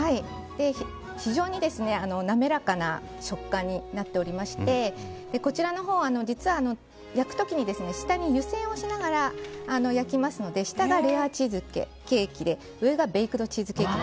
非常に滑らかな食感になっておりましてこちらのほう、実は焼く時に下に湯煎をしながら焼きますので下がレアチーズケーキで上がベイクドチーズケーキ。